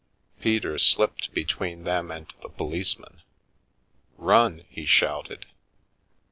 Peter slipped between them and the policeman. "Run!" he shouted.